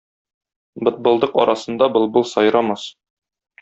Бытбылдык арасында былбыл сайрамас.